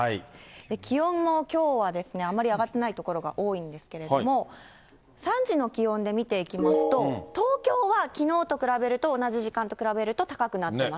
気温もきょうはあまり上がってない所が多いんですけれども、３時の気温で見ていきますと、東京はきのうと比べると、同じ時間と比べると高くなってます。